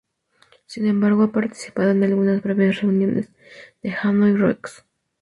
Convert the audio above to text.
Sin embargo, ha participado en algunas breves reuniones de Hanoi Rocks.